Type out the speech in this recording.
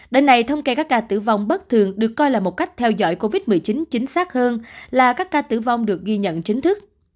đến nay thông kê các ca tử vong bất thường được coi là một cách theo dõi covid một mươi chín chính xác hơn là các ca tử vong được ghi nhận chính thức